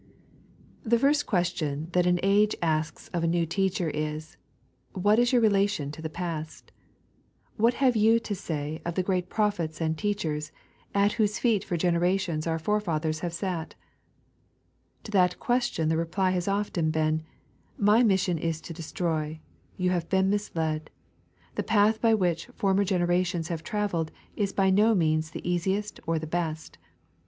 THE first question that an age aske of a new teacher is :" What is your relation to the past ) What have you to Bay of the great prophets and teachers, at irhose feet tor generations our forefathers hare eat 1 " To that question the reply has often been, " My mission is to destroy; you have been misled; the path by which former generations have travelled is by no means the easiest or best.